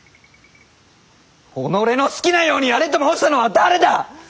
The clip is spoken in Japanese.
己の好きなようにやれと申したのは誰だ！